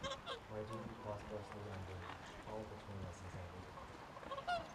My duty prosperously ended, all between us is ended.